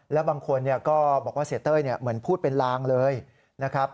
แล้วบางคนก็บอกว่าเสียเต้ยเหมือนพูดเป็นลางเลยนะครับ